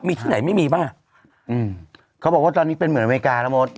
มีที่ไหนไม่มีบ้างอ่ะอืมเขาบอกว่าตอนนี้เป็นเหมือนอเมริกาแล้วมด